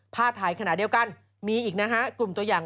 ผ้าไทยขนาดเดียวกันมีอีกนะคะ